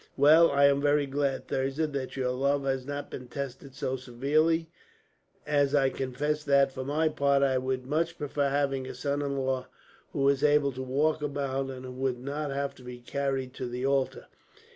"Well, I am very glad, Thirza, that your love has not been tested so severely; as I confess that, for my part, I would much prefer having a son in law who was able to walk about, and who would not have to be carried to the altar.